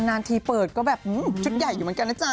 นาทีเปิดก็แบบชุดใหญ่อยู่เหมือนกันนะจ๊